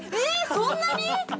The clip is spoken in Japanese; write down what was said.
そんなに？！